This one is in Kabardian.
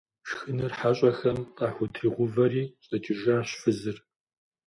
Шхыныр хьэщӀэхэм къахутригъэувэри щӏэкӏыжащ фызыр.